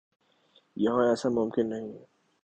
یہاں ایسا ممکن نہیں۔